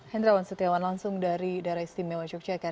hendra wansutiawan langsung dari darai istimewa